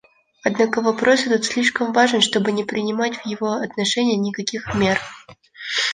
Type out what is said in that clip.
Однако вопрос этот слишком важен, чтобы не принимать в его отношении никаких мер.